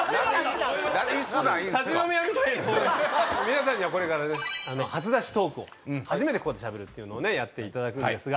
皆さんにはこれから初出しトークを初めてここでしゃべるっていうのをやっていただくんですが。